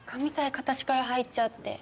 形から入っちゃって。